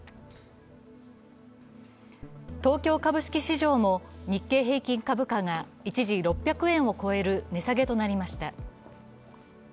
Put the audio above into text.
東京株式市場も日経平均株価が一時６００円を超える値下げとなりました。